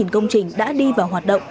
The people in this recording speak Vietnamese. các công trình đã đi vào hoạt động